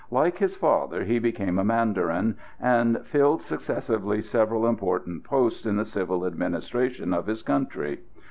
Like his father, he became a mandarin, and filled successively several important posts in the Civil Administration of his country.